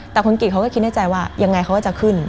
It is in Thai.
แต่คุณกิจเขาก็คิดในใจว่ายังไงเขาก็จะขึ้น